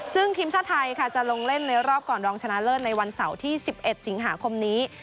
ซึ่งทีมชาติไทยค่ะจะลงเล่นในรอบก่อนรองชนะเลิศในวันเสาร์ที่๑๑สิงหาคมนี้